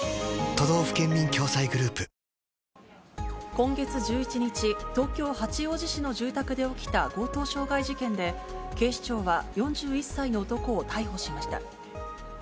今月１１日、東京・八王子市の住宅で起きた強盗傷害事件で、警視庁は４１歳の男を逮捕しました。